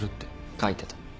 書いてた。